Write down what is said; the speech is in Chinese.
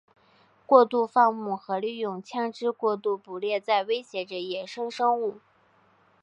过度放牧和利用枪枝过度捕猎在威胁着野生生物。